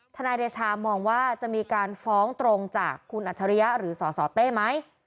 นายเดชามองว่าจะมีการฟ้องตรงจากคุณอัจฉริยะหรือสสเต้ไหม